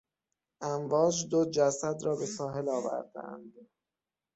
امواج دو جسد را به ساحل آوردند.